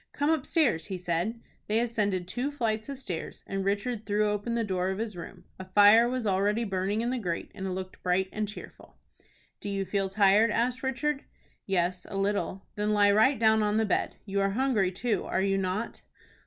"Come upstairs," he said. They ascended two flights of stairs, and Richard threw open the door of his room. A fire was already burning in the grate, and it looked bright and cheerful. "Do you feel tired?" asked Richard. "Yes, a little." "Then lie right down on the bed. You are hungry too, are you not?"